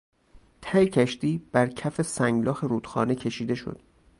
ته کشتی بر کف سنگلاخ رودخانه کشیده شد.